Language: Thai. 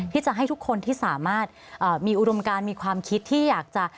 ที่จะให้ทุกคนที่สามารถมีอุดมการมีความคิดที่อยากจะ